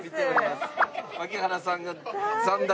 槙原さんが。